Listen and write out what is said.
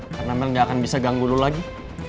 karena mel gak akan bisa ganggu lu lagi